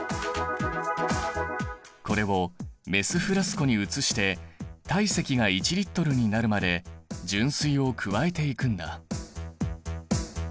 これをメスフラスコに移して体積が１Ｌになるまで純水を加えていくんだ。